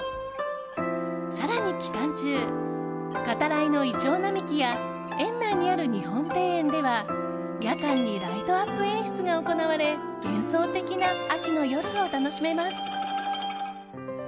更に期間中かたらいのイチョウ並木や園内にある日本庭園では夜間にライトアップ演出が行われ幻想的な秋の夜を楽しめます。